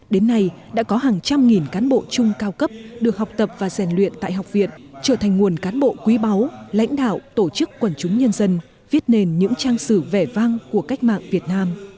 đến nay đã có hàng trăm nghìn cán bộ chung cao cấp được học tập và rèn luyện tại học viện trở thành nguồn cán bộ quý báu lãnh đạo tổ chức quần chúng nhân dân viết nền những trang sử vẻ vang của cách mạng việt nam